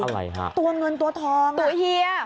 อะไรฮะตัวเงินตัวทองตัวเฮีย